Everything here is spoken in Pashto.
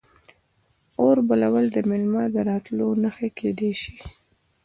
اور بلول د میلمه د راتلو نښه کیدی شي.